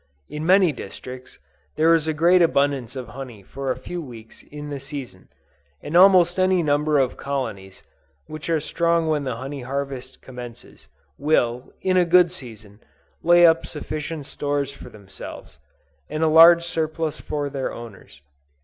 In many districts, there is a great abundance of honey for a few weeks in the season; and almost any number of colonies, which are strong when the honey harvest commences, will, in a good season, lay up sufficient stores for themselves, and a large surplus for their owners.